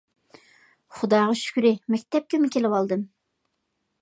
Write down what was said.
خۇداغا شۈكرى، مەكتەپكىمۇ كېلىۋالدىم.